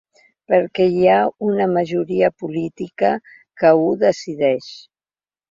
Perquè hi ha una majoria política que ho decideix.